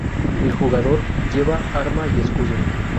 El jugador lleva arma y escudo.